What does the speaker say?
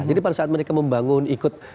jadi pada saat mereka membangun ikut